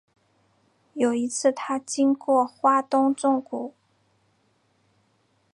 有一次他经过花东纵谷